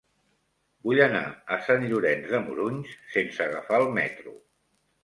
Vull anar a Sant Llorenç de Morunys sense agafar el metro.